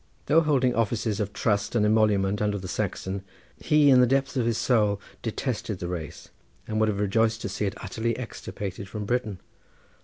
Though holding offices of trust and emolument under the Saxon, he in the depths of his soul detested the race and would have rejoiced to see it utterly extirpated from Britain.